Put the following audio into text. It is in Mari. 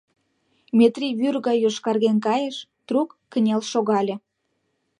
— Метрий вӱр гай йошкарген кайыш, трук кынел шогале.